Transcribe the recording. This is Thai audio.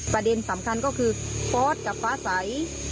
ประเด็นสำคัญก็คือฟอสกับฟ้าใส